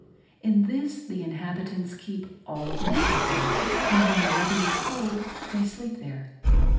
In this the inhabitants keep all their property, and when the weather is cold they sleep there.